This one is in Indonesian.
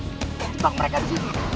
cumbang mereka disini